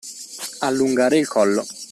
Allungare il collo.